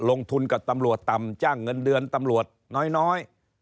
ลงทุนกับตำรวจต่ำจ้างเงินเดือนตำรวจน้อย